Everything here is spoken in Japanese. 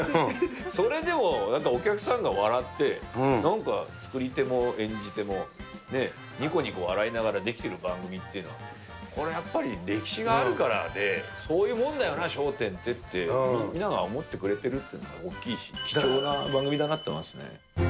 それでもお客さんが笑って、なんか作り手も演じ手もね、にこにこ笑いながらできてる番組っていうのは、これはやっぱり歴史があるからで、そういうもんだよな、笑点てってみんなが思ってくれてるって大きいし、貴重な番組だなと思いますね。